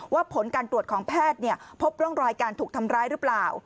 ผลการตรวจของแพทย์พบร่องรอยการถูกทำร้ายหรือเปล่า